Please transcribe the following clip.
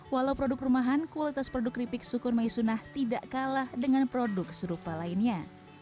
walau produk perumahan kualitas produk keripik sukun mayasuna tidak kalah dengan produk keserupa lainnya